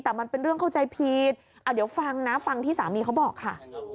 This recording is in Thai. แต่มันเป็นเรื่องเข้าใจผิดเดี๋ยวฟังนะฟังที่สามีเขาบอกค่ะ